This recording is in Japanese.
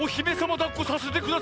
だっこさせてください。